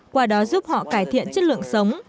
qua đó giúp họ cải thiện chất lượng sống